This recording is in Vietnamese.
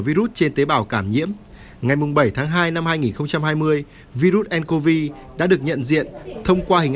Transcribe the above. virus trên tế bào cảm nhiễm ngày bảy tháng hai năm hai nghìn hai mươi virus ncov đã được nhận diện thông qua hình